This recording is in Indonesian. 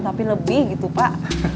tapi lebih gitu pak